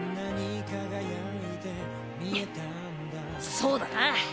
そうだな。